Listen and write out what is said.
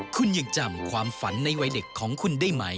คุณยังจำความฝันในวัยเด็กของคุณได้ไหม